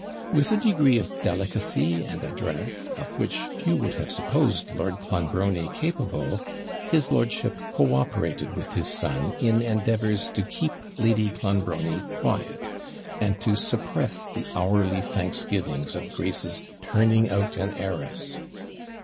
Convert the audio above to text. With a degree of delicacy and address of which few would have supposed Lord Clonbrony capable, his lordship co operated with his son in endeavours to keep Lady Clonbrony quiet, and to suppress the hourly thanksgivings of Grace's TURNING OUT AN HEIRESS.